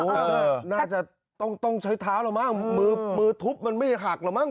เออเออน่าจะต้องต้องใช้เท้าหรอบ้างมือมือทุบมันไม่หักหรอบ้าง